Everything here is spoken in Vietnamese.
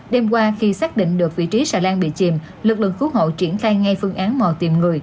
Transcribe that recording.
đêm qua khi xác định được vị trí xà lan bị chìm lực lượng cứu hộ triển khai ngay phương án mò tìm người